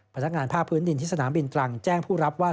พนักงานภาคพื้นดินที่สนามบินตรังแจ้งผู้รับว่า